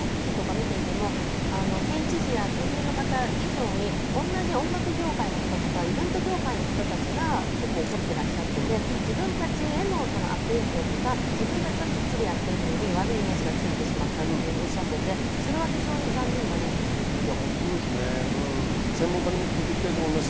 県知事や県民の方以上に同じ音楽業界の方、イベント協会の方が結構、怒ってらっしゃっていて、自分たちへの悪影響、自分たちはきっちりやってるのに悪いイメージがついてしまったとおっしゃっていて、それが非常に残念だなと思い専門家にも聞いていきたいと思います。